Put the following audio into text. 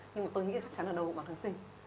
nhưng mà tôi nghĩ chắc chắn là đâu cũng bằng kháng sinh